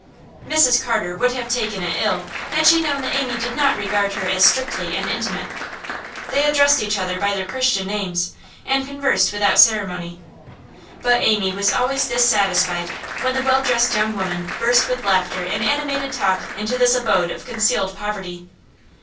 Mrs Carter would have taken it ill had she known that Amy did not regard her as strictly an intimate. They addressed each other by their Christian names, and conversed without ceremony; but Amy was always dissatisfied when the well dressed young woman burst with laughter and animated talk into this abode of concealed poverty.